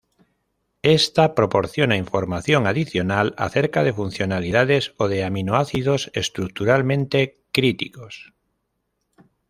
Esta proporciona información adicional acerca de funcionalidades o de aminoácidos estructuralmente críticos.